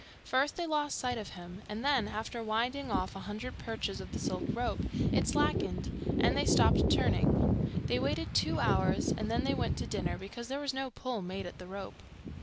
First they lost sight of him, and then, after winding off a hundred perches of the silk rope, it slackened, and they stopped turning. They waited two hours, and then they went to dinner, because there was no pull made at the rope.